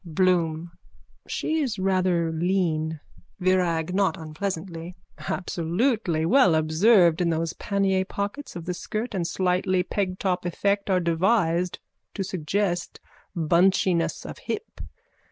BLOOM: She is rather lean. VIRAG: (Not unpleasantly.) Absolutely! Well observed and those pannier pockets of the skirt and slightly pegtop effect are devised to suggest bunchiness of hip.